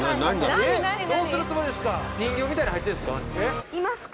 えっどうするつもりですか？